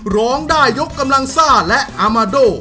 ร้องได้ยกกำลังซ่าและอามาโด